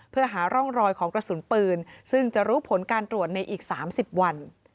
เพื่อหาร่องรอยของกระสุนปืนซึ่งจะรู้ผลการตรวจในอีก๓๐วัน